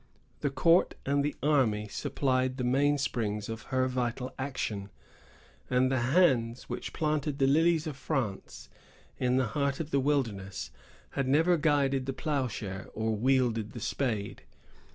The court and the army supplied the mainsprings of her vital action, and the hands which planted the lilies of France in the heart of the wilderness had never guided the ploughshare or wielded the spade.